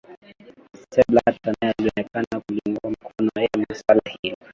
sepp blatter naye alionekana kuliunga mkono eeh muuh swala hilo